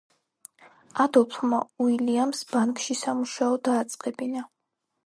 ადოლფმა უილიამს ბანკში სამუშაო დააწყებინა.